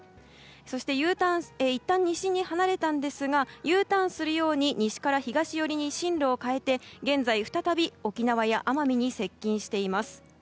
そしていったん西に離れたんですがＵターンするように西から東寄りに進路を変えて現在、再び沖縄や奄美に接近しています。